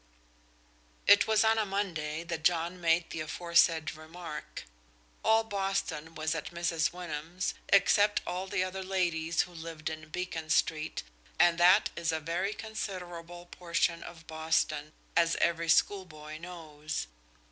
It was on a Monday that John made the aforesaid remark. All Boston was at Mrs. Wyndham's, excepting all the other ladies who lived in Beacon Street, and that is a very considerable portion of Boston, as every schoolboy knows.